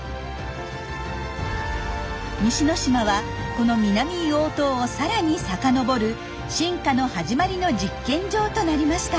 西之島はこの南硫黄島をさらに遡る進化のはじまりの実験場となりました。